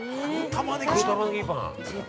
黒玉ねぎパン。